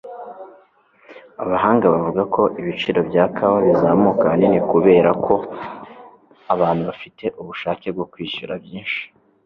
Abahanga bavuga ko ibiciro bya kawa bizamuka ahanini kubera ko abantu bafite ubushake bwo kwishyura byinshi.